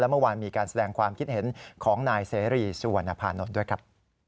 เมื่อวานมีการแสดงความคิดเห็นของนายเสรีสุวรรณภานนท์ด้วยครับ